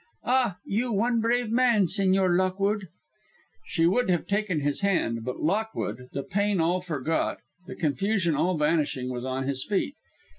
Ah, you one brave man, Sigñor Lockwude!" She would have taken his hand, but Lockwood, the pain all forgot, the confusion all vanishing, was on his feet.